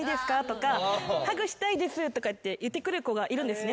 「ハグしたいです」とかって言ってくる子がいるんですね。